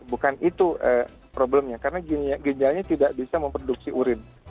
bukan itu problemnya karena ginjalnya tidak bisa memproduksi urin